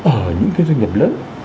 ở những cái doanh nghiệp lớn